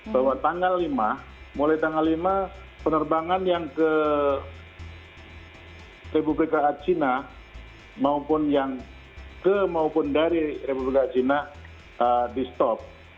bahwa tanggal lima mulai tanggal lima penerbangan yang ke republik ke cina maupun yang ke maupun dari republik china di stop